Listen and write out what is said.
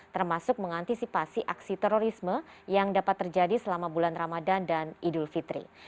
termasuk mengantisipasi aksi terorisme yang dapat terjadi selama bulan ramadan dan idul fitri